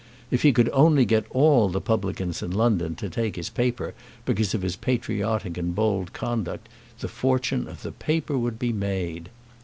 If he could only get all the publicans in London to take his paper because of his patriotic and bold conduct, the fortune of the paper would be made.